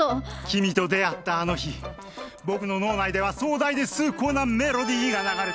君と出会ったあの日僕の脳内では壮大で崇高なメロディーが流れていた。